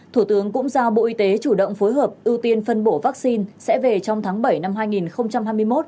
thủ tướng cũng giao bộ y tế chủ động phối hợp ưu tiên phân bổ vaccine sẽ về trong tháng bảy năm hai nghìn hai mươi một